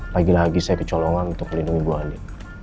lagi lagi saya kecolongan untuk melindungi bu andi